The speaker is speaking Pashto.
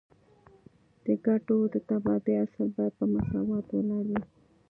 د ګټو د تبادلې اصل باید په مساواتو ولاړ وي